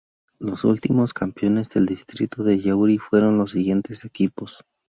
Los últimos campeones del distrito de Yauri fueron los siguientes equipos.